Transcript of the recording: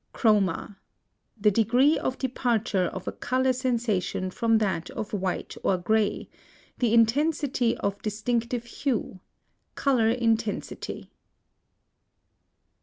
+CHROMA. The degree of departure of a color sensation from that of white or gray; the intensity of distinctive hue; color intensity.